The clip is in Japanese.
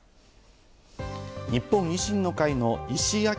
日本維新の会の石井章